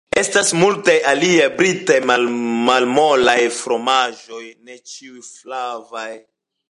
Estas multaj aliaj britaj malmolaj fromaĝoj, ne ĉiuj flavaj.